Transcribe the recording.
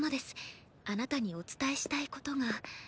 あなたにお伝えしたいことが。